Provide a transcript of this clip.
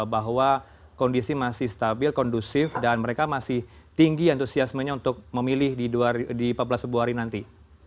bahwa kondisi masih stabil kondusif dan mereka masih tinggi antusiasmenya untuk memilih di empat belas februari nanti